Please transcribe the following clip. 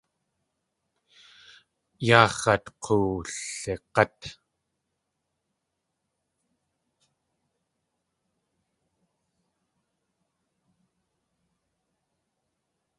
Yaa x̲at k̲oowlig̲át.